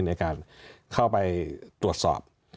ในการเข้าไปตรวจสอบ